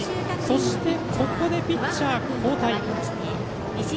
そして、ここでピッチャー交代。